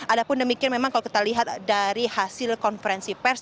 ada pun demikian memang kalau kita lihat dari hasil konferensi pers